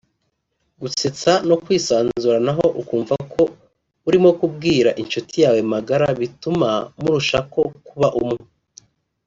gusetsa no kwisanzuranaho ukumva ko urimo kubwira inshuti yawe magara bituma murushako kuba umwe